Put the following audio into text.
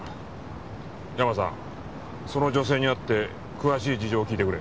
ヤマさんその女性に会って詳しい事情を聞いてくれ。